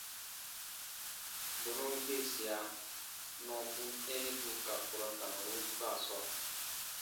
Bù nùn gbiisia nɔɔ gum tɛ̃ɛnibu ka kurɔ tanɔrun swaa sɔɔ.